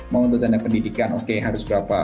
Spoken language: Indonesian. mau untuk dana pendidikan oke harus berapa